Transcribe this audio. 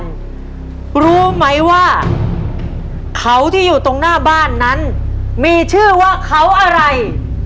รู้ไหมว่าเขาที่อยู่ตรงหน้าบ้านนั้นมีชื่อว่าเขาอะไร